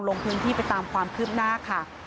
ลงพื้นที่ไปตามความคืบหน้าค่ะ